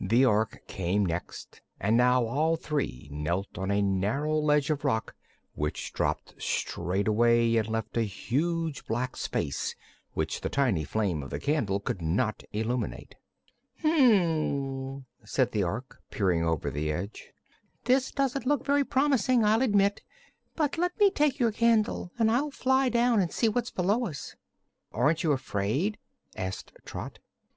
The Ork came next and now all three knelt on a narrow ledge of rock which dropped straight away and left a huge black space which the tiny flame of the candle could not illuminate. "H m!" said the Ork, peering over the edge; "this doesn't look very promising, I'll admit. But let me take your candle, and I'll fly down and see what's below us." "Aren't you afraid?" asked Trot.